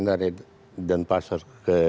dari denpasar ke